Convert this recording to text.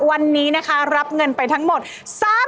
วันนี้นะคะรับเงินไปทั้งหมด๓๔๐๐๐บาท